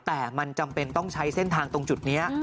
แต่มันจำเป็นต้องใช้เส้นทางตรงจุดนี้